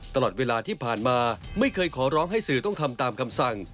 ตลอดเวลาที่ผ่านมาไม่เคยขอร้องให้สื่อต้องทำตามคำสั่ง